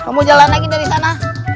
mau jalan lagi dari sana